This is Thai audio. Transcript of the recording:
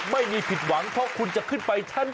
ไม่มีผิดหวังเพราะคุณจะขึ้นไปชั้น๒